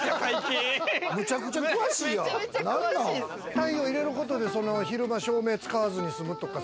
太陽を入れることで昼間照明を使わずに済むとかさ。